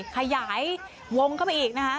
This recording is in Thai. ขยายวงเข้าไปอีกนะคะ